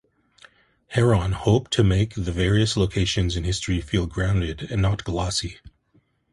Herron hoped to make the various locations in history feel grounded and not "glossy".